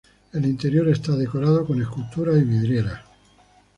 El interior está decorado con esculturas y vidrieras.